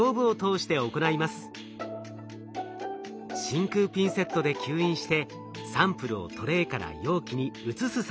真空ピンセットで吸引してサンプルをトレーから容器に移す作業。